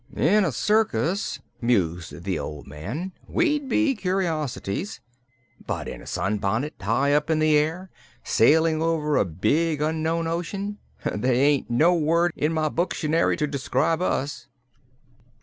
"In a circus," mused the old man, "we'd be curiosities. But in a sunbonnet high up in the air sailin' over a big, unknown ocean they ain't no word in any booktionary to describe us."